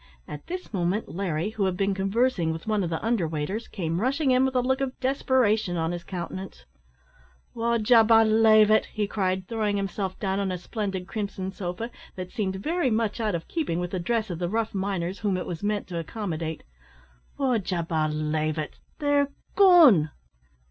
At this moment Larry, who had been conversing with one of the under waiters, came rushing in with a look of desperation on his countenance. "Would ye belave it," he cried, throwing himself down on a splendid crimson sofa, that seemed very much out of keeping with the dress of the rough miners whom it was meant to accommodate "would ye belave it, they're gone!"